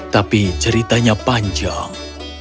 tapi ceritanya panjang